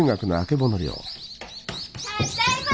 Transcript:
たっだいま！